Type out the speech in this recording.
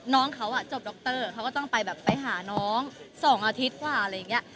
น้องเขาจบดรเขาก็ต้องไปแบบไปหาน้อง๒อาทิตย์กว่าอะไรอย่างนี้